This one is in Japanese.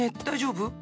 大丈夫？